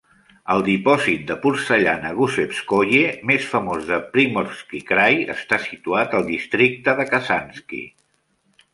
El dipòsit de porcellana Gusevskoye més famós de Primorsky Krai està situat al districte de Khasansky.